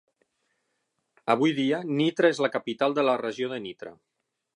Avui dia, Nitra és la capital de la Regió de Nitra.